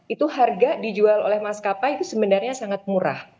itu harga dijual oleh maskapai itu sebenarnya sangat murah